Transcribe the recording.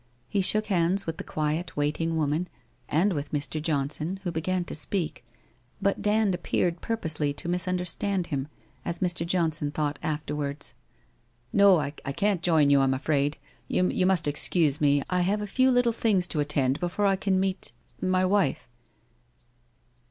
He shook hands with the quiet, waiting, woman, and with Mr. Johnson, who began to speak. But Dand appeared purposely to mis understand him, as Mr. Johnson thought afterwards. ' No, I can't join you, I am afraid. You must excuse me — I have a few little things to attend to before I can meet — my wife.'